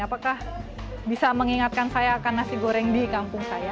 apakah bisa mengingatkan saya akan nasi goreng di kampung saya